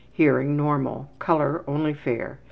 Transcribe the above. Hearing normal. Color only fair.